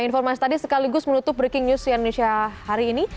informasi tadi sekaligus menutup breaking news di indonesia hari ini